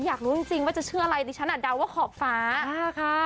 อยากรู้จริงว่าจะชื่ออะไรดิฉันอ่ะเดาว่าขอบฟ้าค่ะ